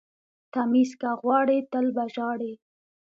ـ تميز که غواړئ تل به ژاړئ.